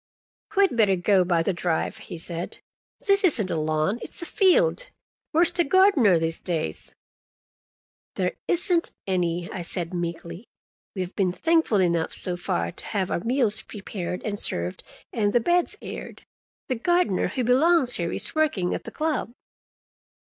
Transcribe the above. "We'd better go by the drive," he said. "This isn't a lawn; it's a field. Where's the gardener these days?" "There isn't any," I said meekly. "We have been thankful enough, so far, to have our meals prepared and served and the beds aired. The gardener who belongs here is working at the club."